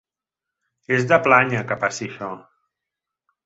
És de plànyer que passi això.